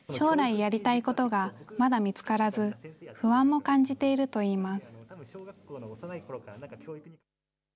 やりたいことがまだ見つからず、不安も感じているといいます。